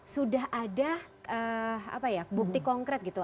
sudah ada apa ya bukti konkret gitu